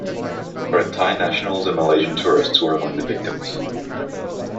Both Thai nationals and Malaysian tourists were among the victims.